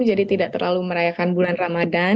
jadi tidak terlalu merayakan bulan ramadan